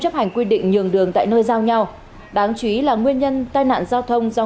chấp hành quy định nhường đường tại nơi giao nhau đáng chú ý là nguyên nhân tai nạn giao thông do